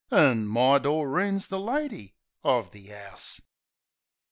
... An' my Doreen's the lady of the 'ouse.